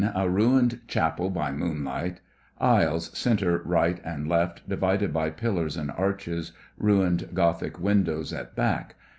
A ruined chapel by moonlight. Aisles C., R. and L., divided by pillars and arches, ruined Gothic windows at back.